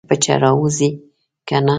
که پچه راوځي کنه.